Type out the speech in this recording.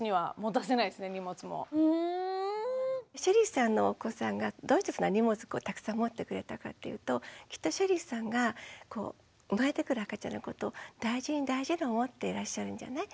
ＳＨＥＬＬＹさんのお子さんがどうしてそんな荷物たくさん持ってくれたかっていうときっとＳＨＥＬＬＹさんがこう生まれてくる赤ちゃんのこと大事に大事に思っていらっしゃるんじゃない？